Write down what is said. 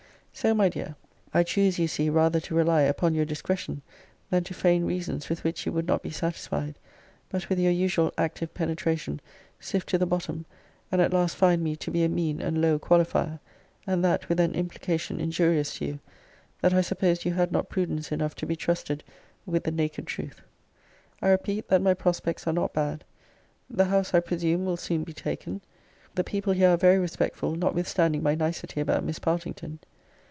So, my dear, I choose, you see, rather to rely upon your discretion, than to feign reasons with which you would not be satisfied, but with your usual active penetration, sift to the bottom, and at last find me to be a mean and low qualifier; and that with an implication injurious to you, that I supposed you had not prudence enough to be trusted with the naked truth. I repeat, that my prospects are not bad. 'The house, I presume, will soon be taken. The people here are very respectful, notwithstanding my nicety about Miss Partington.